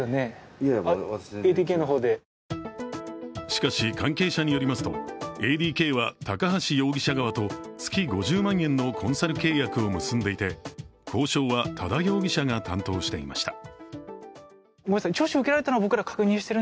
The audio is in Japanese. しかし、関係者によりますと、ＡＤＫは高橋容疑者側と月５０万円のコンサル契約を結んでいて、交渉は多田容疑者が担当していました。